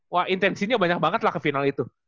wah intensinya banyak banget lah ke final itu